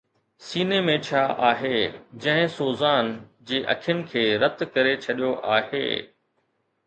سيني ۾ ڇا آهي جنهن سوزان جي اکين کي رت ڪري ڇڏيو آهي؟